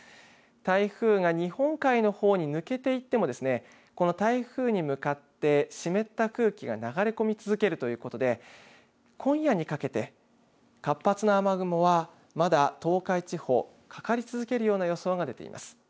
台風が日本海のほうに抜けていってもこの台風に向かって湿った空気が流れ込み続けるということで今夜にかけて活発な雨雲はまだ東海地方、かかり続けるような予想が出ています。